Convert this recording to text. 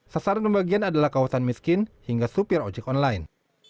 sasaran pembagian adalah kawasan miskin hingga supir ojek online